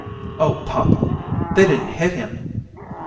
"Oh, papa! They didn't hit him?"